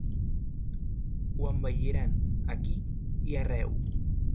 Ho embelliran aquí i arreu.